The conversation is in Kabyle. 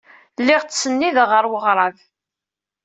Lliɣ ttsennideɣ ɣer weɣrab.